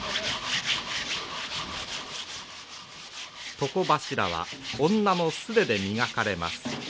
床柱は女の素手で磨かれます。